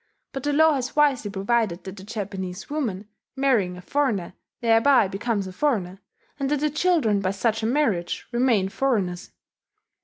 But the law has wisely provided that the Japanese woman marrying a foreigner thereby becomes a foreigner, and that the children by such a marriage remain foreigners.